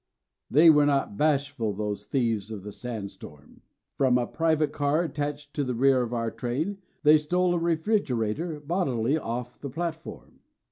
They were not bashful those thieves of the sandstorm. From a private car attached to the rear of our train they stole a refrigerator bodily off the platform.